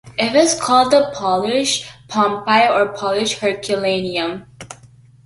It was called the "Polish Pompeii" or "Polish Herculaneum".